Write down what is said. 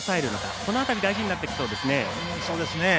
この辺り大事になってきそうですね。